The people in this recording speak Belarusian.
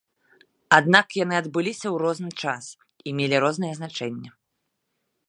Аднак яны адбыліся ў розны час і мелі рознае значэнне.